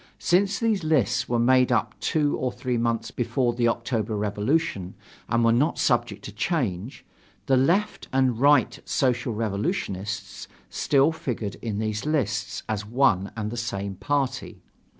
Since these lists were made up two or three months before the October revolution and were not subject to change, the Left and the Right Social Revolutionists still figured in these lists as one and the same party.